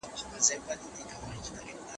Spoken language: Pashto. زه پرون موټر کاروم!؟